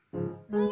うん？